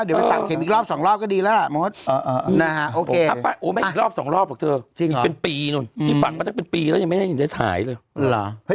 อีกฝั่งเราก็จะเป็นปีแล้วยังไม่ในฝั่งจะหายเลยหรอ